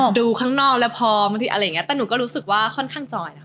จับตาดูข้างนอกแล้วพอแต่หนูก็รู้สึกว่าค่อนข้างจ่อยนะ